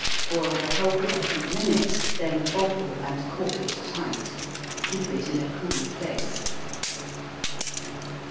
Boil the whole a few minutes, then bottle and cork it tight. Keep it in a cool place.